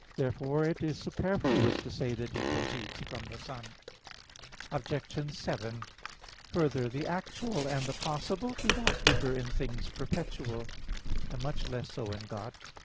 Therefore it is superfluous to say that He proceeds from the Son. Obj. 7: Further "the actual and the possible do not differ in things perpetual" (Phys. iii, text 32), and much less so in God.